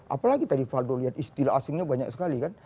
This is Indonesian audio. apalagi tadi valdo lihat istilah asingnya banyak sekali kan